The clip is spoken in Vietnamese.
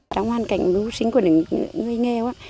trong hoàn cảnh đuối sinh của người nghèo